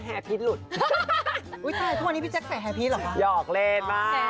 แฮพีตหลุดอุ้ยเจ๊พี่พี่แจ๊คใส่แฮพีตเหรอคะยอกเล่น